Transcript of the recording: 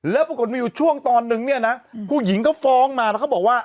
แล้วปรากฏมีอยู่ช่วงตอนนึงเนี่ยนะผู้หญิงก็ฟ้องมาแล้วเขาบอกว่า